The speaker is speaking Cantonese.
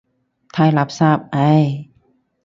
太垃圾，唉。